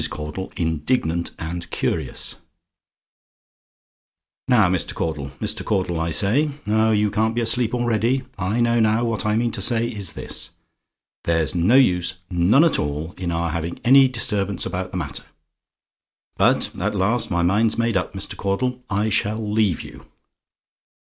CAUDLE INDIGNANT AND CURIOUS "Now, Mr. Caudle Mr. Caudle, I say: oh: you can't be asleep already, I know now, what I mean to say is this; there's no use, none at all, in our having any disturbance about the matter; but, at last my mind's made up, Mr. Caudle; I shall leave you.